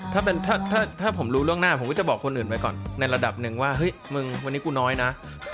ถ้าผมรู้ล่วงหน้าผมก็จะบอกคนอื่นไว้ก่อนในระดับหนึ่งว่าเฮ้ยมึงวันนี้กูน้อยนะ